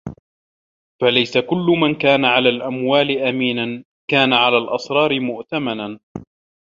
فَلَيْسَ كُلُّ مَنْ كَانَ عَلَى الْأَمْوَالِ أَمِينًا كَانَ عَلَى الْأَسْرَارِ مُؤْتَمَنًا